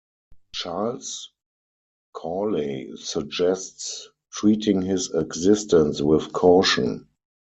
Charles Cawley suggests treating his existence with caution.